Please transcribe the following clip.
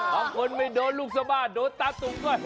เอาคนไม่โดนลูกสบากโดนตาตุ๋มก็เฮ